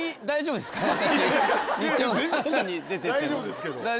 大丈夫ですけど。